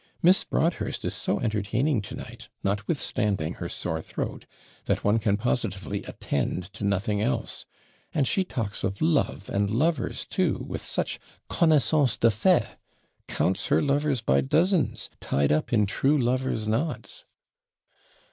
'Miss Broadhurst is so entertaining to night, notwithstanding her sore throat, that one can positively attend to nothing else. And she talks of love and lovers too with such CONNAISSANCE DE FAIT counts her lovers by dozens, tied up in true lovers' knots!'